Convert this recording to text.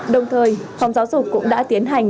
đồng thời phòng giáo dục cũng đã tiến hành